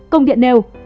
công điện nêu